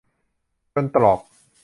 จนตรอก